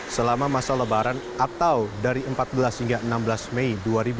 selama masa lebaran atau dari empat belas hingga enam belas mei dua ribu dua puluh